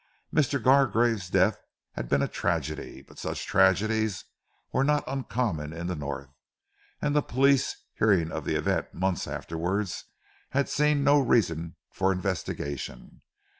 Mr. Gargrave's death had been a tragedy, but such tragedies were not uncommon in the North; and the police, hearing of the event months afterward, had seen no reason for investigation.